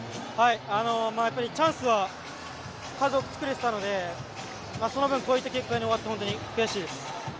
チャンスは数多く作れていたので、その分、こういった結果に終わって本当に悔しいです。